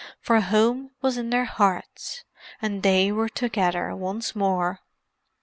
For home was in their hearts, and they were together once more.